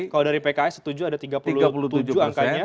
kalau dari pks setuju ada tiga puluh tujuh angkanya